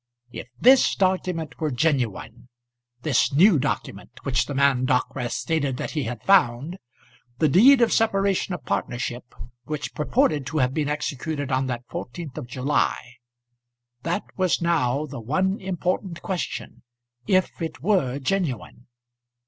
If this document were genuine, this new document which the man Dockwrath stated that he had found, this deed of separation of partnership which purported to have been executed on that 14th of July! That was now the one important question. If it were genuine!